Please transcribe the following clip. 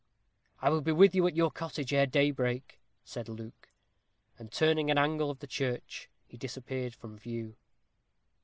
"I will be with you at your cottage ere daybreak," said Luke. And turning an angle of the church, he disappeared from view.